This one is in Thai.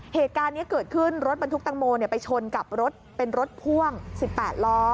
เหตุการณ์นี้เกิดขึ้นรถบรรทุกตังโมไปชนกับรถเป็นรถพ่วง๑๘ล้อ